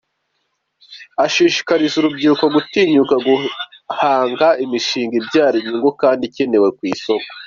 Ashishikarije urubyiruko gutinyuka guhanga imishinga ibyara inyungu kandi ikenewe ku isoko.